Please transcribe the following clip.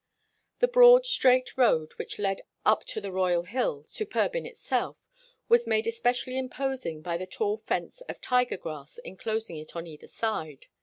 The broad, straight road which led up to the royal hill, superb in itself, was made es pecially imposing by the tall fence of tiger grass enclosing it on either side.